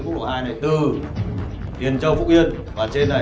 quay thì quay